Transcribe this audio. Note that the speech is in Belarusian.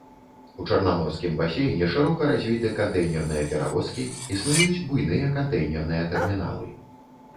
У чарнаморскім басейне шырока развіты кантэйнерныя перавозкі, існуюць буйныя кантэйнерныя тэрміналы.